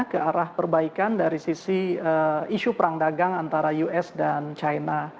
ke arah perbaikan dari sisi isu perang dagang antara us dan china